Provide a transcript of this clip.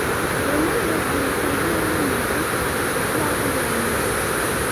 ronaldo aliisaidia real madrid kutwaa kombe la ulaya